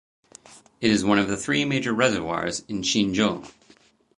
It is one of the three major reservoirs in Xinzhou.